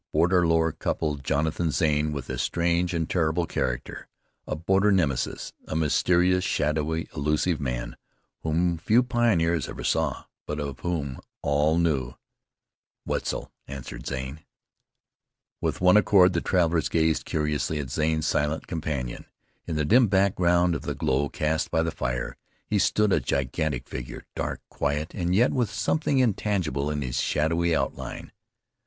Border lore coupled Jonathan Zane with a strange and terrible character, a border Nemesis, a mysterious, shadowy, elusive man, whom few pioneers ever saw, but of whom all knew. "Wetzel," answered Zane. With one accord the travelers gazed curiously at Zane's silent companion. In the dim background of the glow cast by the fire, he stood a gigantic figure, dark, quiet, and yet with something intangible in his shadowy outline.